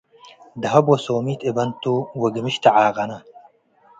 ደሀብ ወሶሚት እበንቱ - ወግምሽ ተዓቀና